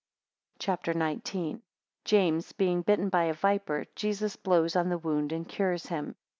CHAPTER XIX. 1 James being bitten by a viper, Jesus blows on the wound and cures him.